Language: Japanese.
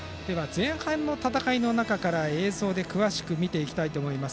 前半の戦いの中から映像で詳しく見ていきたいと思います。